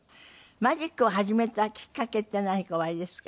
マジックを始めたきっかけって何かおありですか？